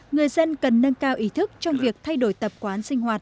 người dân cần nâng cao ý thức trong việc thay đổi tập quán